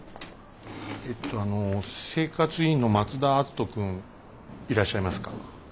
えっとあの生活委員の松田篤人君いらっしゃいますか？